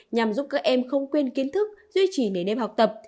nhằm giúp các em không quên kiến thức duy trì nền nếp học tập